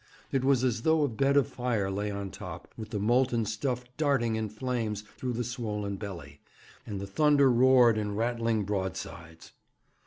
It was as though a bed of fire lay on top, with the molten stuff darting in flames through the swollen belly; and the thunder roared in rattling broadsides.